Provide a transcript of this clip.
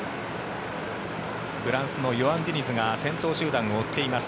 フランスのヨアン・ディニズが先頭集団を追っています。